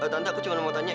tante aku cuma mau tanya